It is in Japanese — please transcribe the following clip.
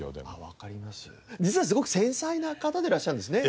実はすごく繊細な方でらっしゃるんですね。